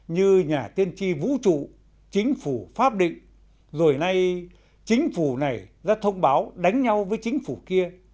như nhà tiên tri vũ trụ chính phủ pháp định rồi nay chính phủ này ra thông báo đánh nhau với chính phủ kia